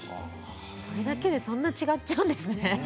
それだけでそんな違っちゃうんですね。